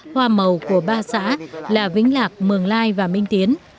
hoa màu của ba xã là vĩnh lạc mường lai và minh tiến